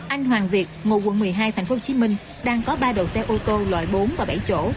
anh hoàng việt ngụ quận một mươi hai tp hcm đang có ba đầu xe ô tô loại bốn và bảy chỗ